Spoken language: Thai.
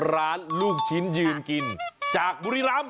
ลูกชิ้นยืนกินจากบุรีรำ